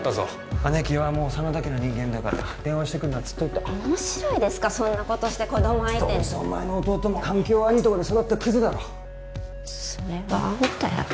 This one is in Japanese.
姉貴はもう真田家の人間だから電話してくんなっつっといた面白いですかそんなことして子供相手にどうせお前の弟も環境悪いとこで育ったクズだろそれはあんたやろ